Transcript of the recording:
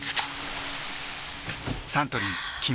サントリー「金麦」